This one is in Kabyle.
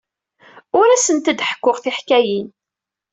Ur asent-d-ḥekkuɣ tiḥkayin.